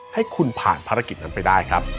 ให้คุณผ่านภารกิจนั้นไปได้ครับ